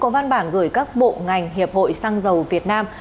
văn bản gửi các bộ ngành hiệp hội xăng dầu việt nam